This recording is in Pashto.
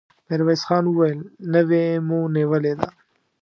ميرويس خان وويل: نوې مو نيولې ده!